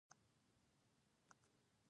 پیاز د هرې کورنۍ پخلنځي برخه ده